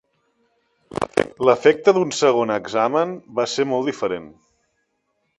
L'efecte d'un segon examen va ser molt diferent.